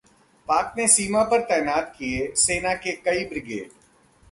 पाक ने सीमा पर तैनात किए सेना के कई ब्रिगेड